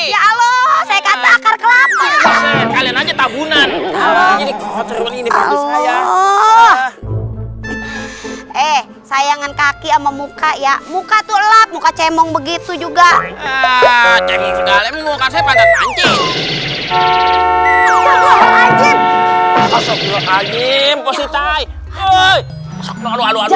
ya allah saya kata akar kelapa kalian aja tabunan ini kotor ini kalau saya